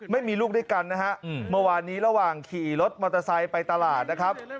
ไม่มีลูกด้วยกันนะฮะเมื่อวานนี้ระหว่างขี่รถมอเตอร์ไซค์ไปตลาดนะครับ